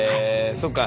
そっか。